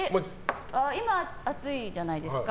今、暑いじゃないですか。